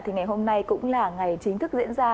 thì ngày hôm nay cũng là ngày chính thức diễn ra